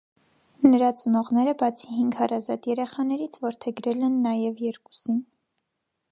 Նրա ծնողները բացի հինգ հարազատ երեխաներից, որդեգրել են նաև երկուսին։